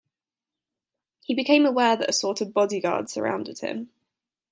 He became aware that a sort of body-guard surrounded him.